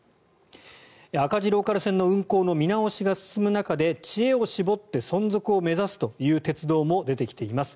赤字ローカル線の運行の見直しが進む中で知恵を絞って存続を目指すという鉄道も出てきています。